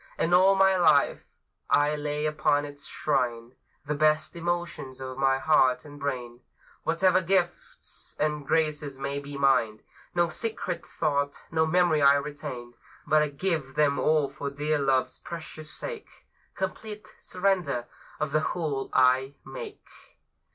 And all my life I lay upon its shrine The best emotions of my heart and brain, Whatever gifts and graces may be mine; No secret thought, no memory I retain, But give them all for dear Love's precious sake; Complete surrender of the whole I make.